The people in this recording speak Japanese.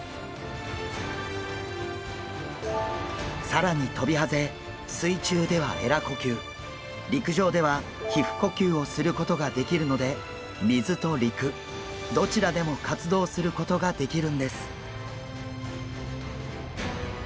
更にトビハゼ水中ではえら呼吸陸上では皮ふ呼吸をすることができるので水と陸どちらでも活動することができるんです。